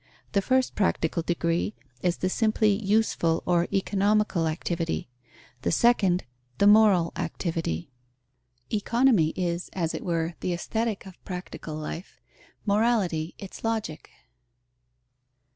The first practical degree is the simply useful or economical activity; the second the moral activity. Economy is, as it were, the Aesthetic of practical life; Morality its Logic.